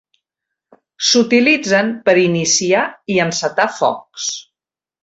S'utilitzen per iniciar i encetar focs.